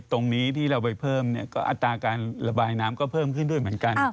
ตรงนี้ที่เราไปเพิ่มก็อัตราการระบายน้ำก็เพิ่มขึ้นด้วยเหมือนกัน